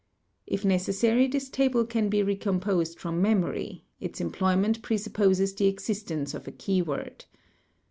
If necessary, this table can be recomposed from memory, its employ ment presupposes the existence of a key word.